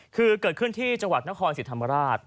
คือเกิดขึ้นที่จังหวัดนครสิทธิ์ธรรมราช